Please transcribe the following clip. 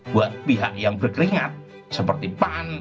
buat pihak yang berkeringat seperti pan